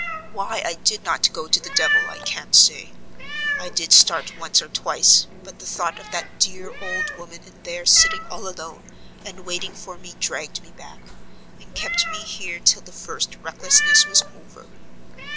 Why I did not go to the devil I can't say: I did start once or twice; but the thought of that dear old woman in there sitting all alone and waiting for me dragged me back, and kept me here till the first recklessness was over.